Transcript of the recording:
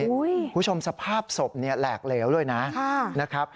คุณผู้ชมสภาพศพแหลกเหลวเลยนะ